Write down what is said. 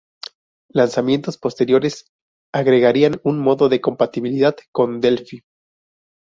Lanzamientos posteriores agregarían un modo de compatibilidad con Delphi.